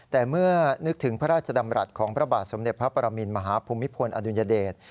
แต่เมื่อนึกถึงพระราชดำรัฐของพระบาทสมเด็จพระปรมินมหาภูมิพลอดุญเดช